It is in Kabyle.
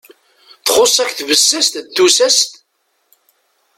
Txus-ak tbessast d tsusat?